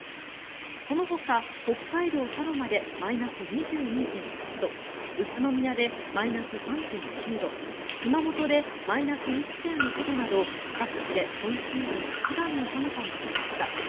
そのほか、北海道佐呂間でマイナス２２．８度宇都宮でマイナス３．９度熊本でマイナス１．６度など各地で今シーズン一番の寒さになりました。